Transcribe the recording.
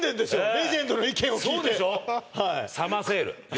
レジェンドの意見を聞いてそうでしょ